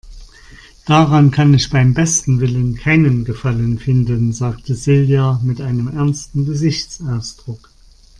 Daran kann ich beim besten Willen keinen Gefallen finden, sagte Silja mit einem ernsten Gesichtsausdruck.